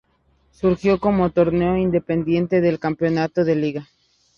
Surgió como torneo independiente del campeonato de Liga.